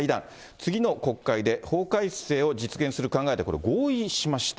次の国会で法改正を実現する考えで、これ、合意しました。